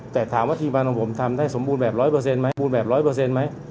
แต่ถามว่าทีมงานของผมทำได้สมบูรณ์แบบร้อยเปอร์เซ็นต์ไหม